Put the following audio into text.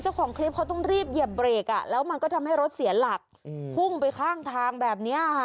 เจ้าของคลิปเขาต้องรีบเหยียบเบรกอ่ะแล้วมันก็ทำให้รถเสียหลักพุ่งไปข้างทางแบบนี้ค่ะ